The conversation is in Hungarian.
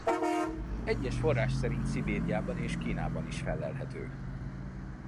Egyes forrás szerint Szibériában és Kínában is fellelhető.